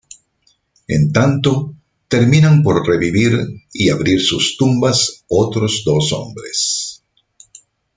En tanto, terminan por revivir y abrir sus tumbas otros dos hombres.